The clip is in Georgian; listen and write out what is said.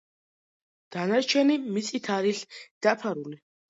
დანარჩენი მიწით არის დაფარული.